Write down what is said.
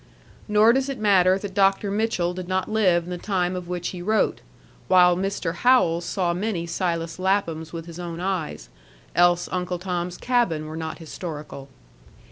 Nor does it matter that Dr. Mitchell did not live in the time of which he wrote, while Mr. Howells saw many Silas Laphams with his own eyes; else UNCLE TOM'S CABIN were not historical.